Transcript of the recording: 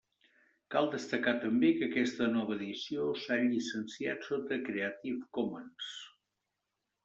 Cal destacar també que aquesta nova edició s'ha llicenciat sota Creative Commons.